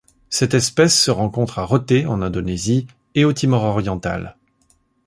Cette espèce se rencontre à Rote en Indonésie et au Timor oriental.